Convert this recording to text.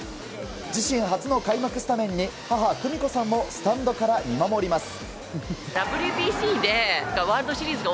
自身初の開幕スタメンに母・久美子さんもスタンドから見守ります。